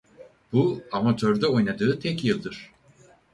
Bu amatörde oynadığı tek yıldır.